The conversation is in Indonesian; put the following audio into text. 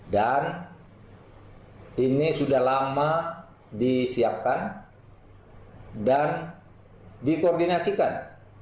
dan ini sudah lama disiapkan dan dikoordinasikan